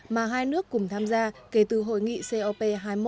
mà hai nước cùng tham gia kể từ hội nghị cop hai mươi một